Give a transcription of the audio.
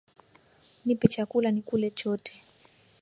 Nipe chakula nikule chote